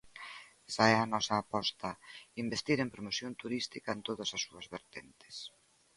Esa é a nosa aposta, investir en promoción turística en todas as súas vertentes.